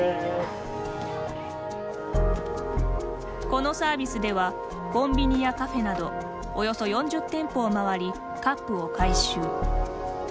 このサービスではコンビニやカフェなどおよそ４０店舗を回りカップを回収。